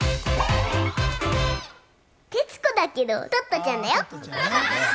徹子だけど、トットちゃんだよ。